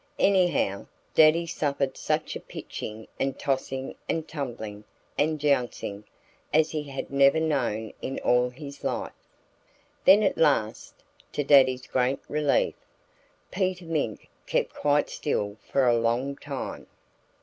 Anyhow, Daddy suffered such a pitching and tossing and tumbling and jouncing as he had never known in all his life. Then at last, to Daddy's great relief, Peter Mink kept quite still for a long time.